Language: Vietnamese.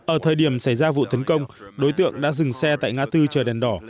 ở thời điểm xảy ra vụ thấn công đối tượng đã dừng xe tại nga tư chờ đèn đỏ